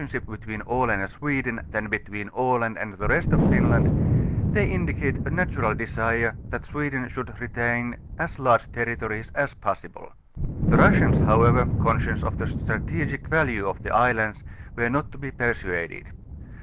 <liip l)etween Aland and Sweden than between Aland and the rest of Finland; they indicate a natural desire, that Sweden should retain as large territories as possible. The Russians however, concious of the strategic value of the islands, were not to be persuaded.